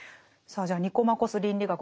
さあじゃあ「ニコマコス倫理学」